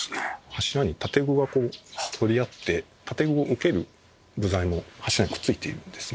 柱に建具が取り合って建具を受ける部材も柱にくっついているんですね。